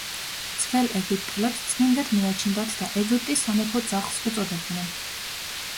ძველ ეგვიპტელებს წმინდად მიაჩნდათ და „ეგვიპტის სამეფო ძაღლს“ უწოდებდნენ.